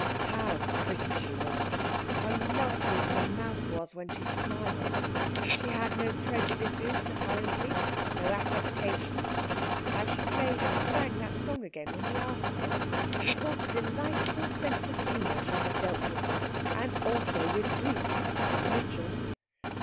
How pretty she was, how lovely her mouth was when she smiled! She had no prejudices, apparently; no affectations; how she played and sang that song again when he asked her! With what a delightful sense of humour she had dealt with him, and also with Bruce, at the Mitchells.